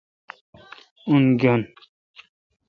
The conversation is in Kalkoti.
اؙن گین۔